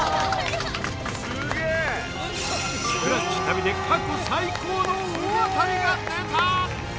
スクラッチ旅で過去最高の大当たりが出た！